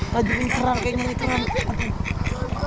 tajam ini terang kayaknya